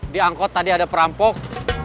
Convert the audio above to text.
di angkot tadi ada perampok